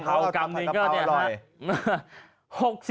กะเพราอร่อย